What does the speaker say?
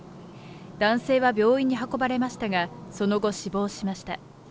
男性は病院に運ばれましたがその後死亡しました。